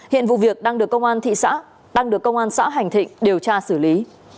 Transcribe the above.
hiện vụ việc đang được công an xã hành thịnh điều tra xử lý